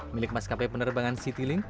milik maskapai penerbangan citilink